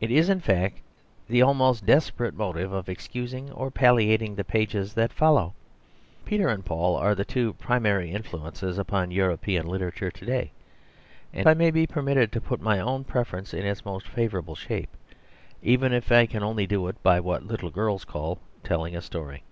It is in fact the almost desperate motive of excusing or palliating the pages that follow. Peter and Paul are the two primary influences upon European literature to day; and I may be permitted to put my own preference in its most favourable shape, even if I can only do it by what little girls call telling a story.